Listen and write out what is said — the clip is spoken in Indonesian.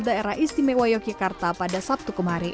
daerah istimewa yogyakarta pada sabtu kemarin